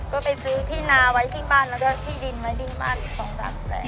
ก็ไปซื้อที่นาไว้ที่บ้านแล้วก็ที่ดินไว้ที่บ้าน๒๓แบบ